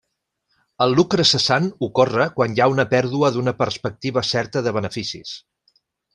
El lucre cessant ocorre quan hi ha una pèrdua d'una perspectiva certa de beneficis.